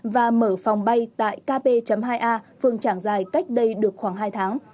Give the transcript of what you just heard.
và mở phòng bay tại kb hai a phường trảng giài cách đây được khoảng hai tháng